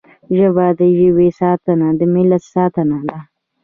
ژبه د ژبې ساتنه د ملت ساتنه ده